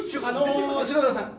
あの篠田さん。